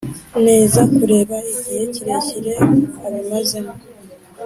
neza kubera igihe kirekire abimazemo